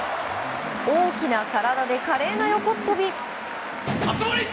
大きな体で華麗な横っ飛び！